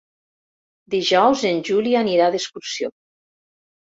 Dijous en Juli anirà d'excursió.